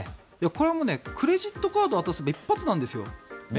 これはクレジットカードを渡せば一発なんですよ。